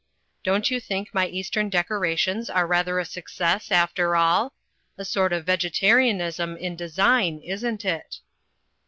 Don't you think my eastern decorations are rather a success after all? A sort of Vegetarianism in design, isn't it?"